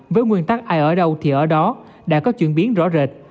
với nguyên tắc ai ở đâu thì ở đó đã có chuyển biến rõ rệt